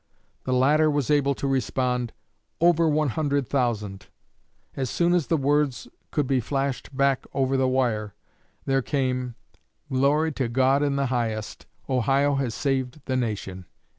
The latter was able to respond, "Over 100,000." As soon as the words could be flashed back over the wire, there came: "_Glory to God in the highest. Ohio has saved the Nation.